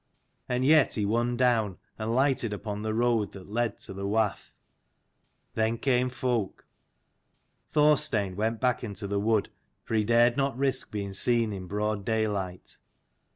And yet he won down, and lighted upon the road that led to the wath. Then came folk. Thorstein went back into the wood, for he dared not risk being seen in broad daylight.